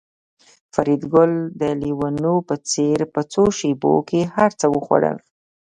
فریدګل د لېونو په څېر په څو شېبو کې هرڅه وخوړل